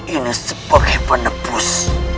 ini sebagai penepus